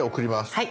はい。